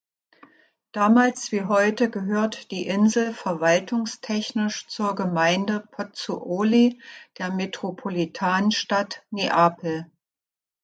Damals wie heute gehört die Insel verwaltungstechnisch zur Gemeinde Pozzuoli der Metropolitanstadt Neapel.